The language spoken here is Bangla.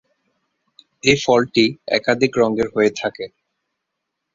এই ফলটি একাধিক রঙের হয়ে থাকে।